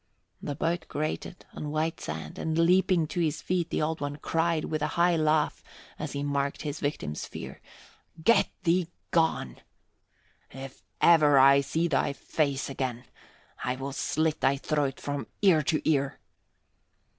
The boat grated on white sand, and leaping to his feet the Old One cried with a high laugh as he marked his victim's fear, "Get thee gone! If ever I see thy face again, I will slit thy throat from ear to ear."